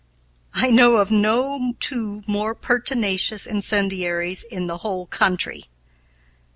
I know of no two more pertinacious incendiaries in the whole country.